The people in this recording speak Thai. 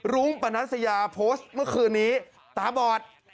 รุ้งปนัสยาโพสต์เมื่อคืนนี้ตาบอด